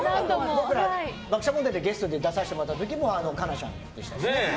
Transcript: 僕ら、爆笑問題でゲストで出させてもらった時も香菜ちゃんでしたよね。